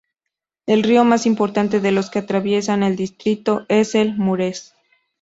El río más importante de los que atraviesan el distrito es el Mureş.